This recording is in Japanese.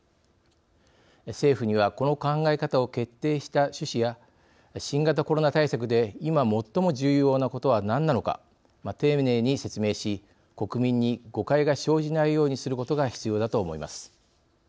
政府にはこの考え方を決定した趣旨や新型コロナ対策でいま最も重要なことは何なのか丁寧に説明し国民に誤解が生じないようにすることが必要だと思います。